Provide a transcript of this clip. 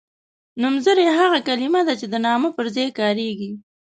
نومځری هغه کلمه ده چې د نامه پر ځای کاریږي.